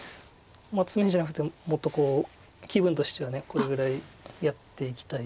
ツメじゃなくてもっとこう気分としてはこれぐらいやっていきたい。